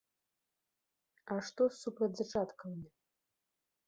А што з супрацьзачаткавымі?